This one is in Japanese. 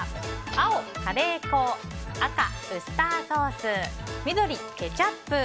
青、カレー粉赤、ウスターソース緑、ケチャップ。